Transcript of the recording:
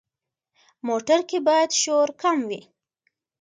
موټر کې باید شور کم وي.